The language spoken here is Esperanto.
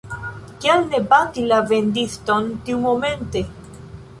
Kial ne bati la vendiston tiumomente?